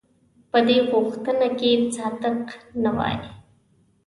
په دې غوښتنه کې صادق نه وای.